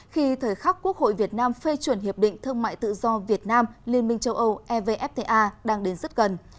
khi thời khắc quốc hội việt nam phê chuẩn hiệp định thương mại tự do việt nam liên minh châu âu evfta đang đến rất gần